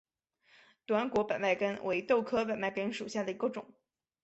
短果百脉根为豆科百脉根属下的一个种。